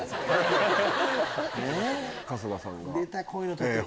春日さんが。